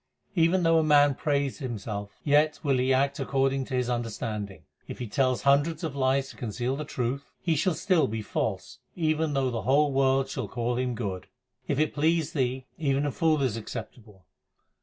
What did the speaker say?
Even though man praise himself, Yet will he act according to his understanding. If he tell hundreds of lies to conceal the truth, He shall still be false even though the whole world call him good. If it please Thee, even a fool is acceptable.